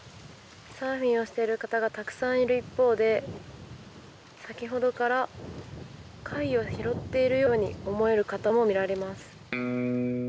サーフィンをしている方がたくさんいる一方で先ほどから貝を拾っているように思える方も見られます。